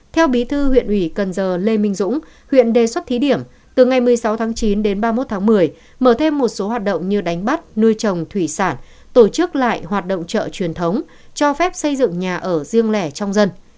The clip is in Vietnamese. theo bí thư huyện ủy cần giờ lê minh dũng huyện đề xuất thí điểm từ ngày một mươi sáu tháng chín đến ba mươi một tháng một mươi mở thêm một số hoạt động như đánh bắt nuôi trồng thủy sản tổ chức lại hoạt động chợ truyền thống cho phép xây dựng nhà ở riêng lẻ trong dân